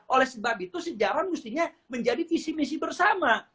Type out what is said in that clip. oleh sebab itu sejarah mestinya menjadi visi misi bersama